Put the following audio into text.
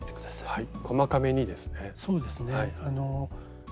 はい。